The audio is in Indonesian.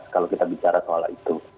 kalau kita bicara soal itu